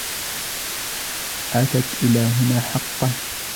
أتَتْ إلى هنا حقا.